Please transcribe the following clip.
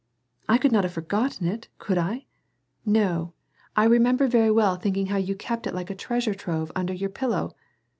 " I could not have forgotten it, could I ? No, I remember 154 WAR AND PEACE, yeiy well thinking how jon kept it like a treasure trove, under your pillow.